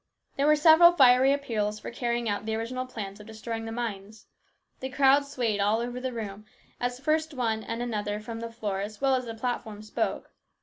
There were several fiery appeals for carrying out the original plans of destroying the mines. The crowd swayed all over the room as one and another from the floor as well as from the platform spoke.